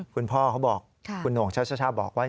คุณพ่อเขาบอกคุณหนูเหิงช้าบอกว่า